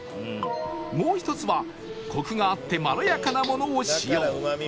もう１つはコクがあってまろやかなものを使用